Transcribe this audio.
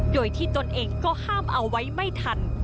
โดยที่ตนเองก็ห้ามเอาไว้ไม่ทัน